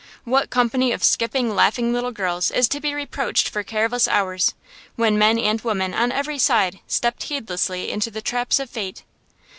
What company of skipping, laughing little girls is to be reproached for careless hours, when men and women on every side stepped heedlessly into the traps of fate?